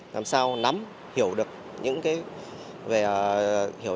làm sao nắm hiểu được những điều này